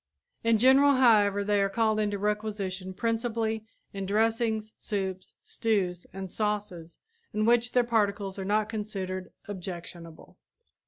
In general, however, they are called into requisition principally in dressings, soups, stews and sauces in which their particles are not considered objectionable.